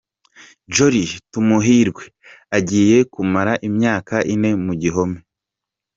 Jolly Tumuhiirwe agiye kumara imyaka ine mu gihome.